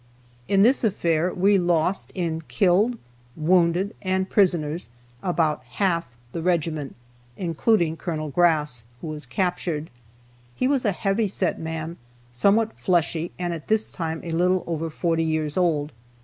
In this affair we lost, in killed, wounded, and prisoners, about half the regiment, including Col. Grass, who was captured. He was a heavy set man, somewhat fleshy, and at this time a little over forty years old.